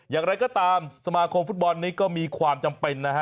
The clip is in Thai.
อย่างไรก็ตามสมาคมฟุตบอลนี้ก็มีความจำเป็นนะฮะ